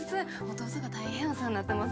弟が大変お世話になってます